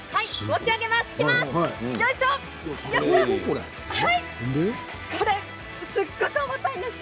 持ち上げます。